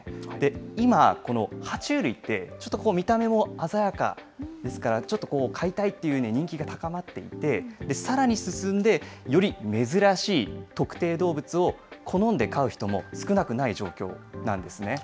今、このは虫類って、ちょっと見た目も鮮やかですから、ちょっと飼いたいっていう人気が高まっていて、さらに進んで、より珍しい、特定動物を好んで飼う人も少なくない状況なんですね。